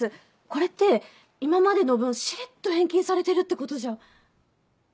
これって今までの分しれっと返金されてるってことじゃ。